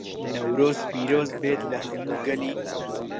نەورۆز پیرۆزبێت لە هەموو گەلی